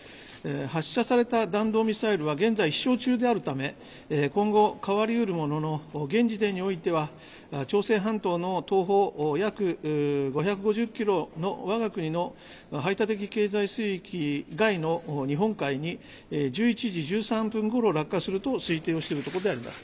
発射された弾道ミサイルは現在、飛しょう中であるため今後、変わりうるものの現時点においては朝鮮半島の東方、約５５０キロのわが国の排他的経済水域外の日本海に１１時１３分ごろ落下すると推定をしているところであります。